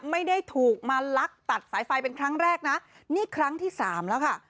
ไม่ได้ถูกมาลักตัดสายไฟเป็นครั้งแรกนะนี่ครั้งที่สามแล้วค่ะ